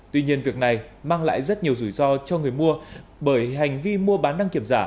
tuy nhiên việc này mang lại rất nhiều rủi ro cho người mua bởi hành vi mua bán đăng kiểm giả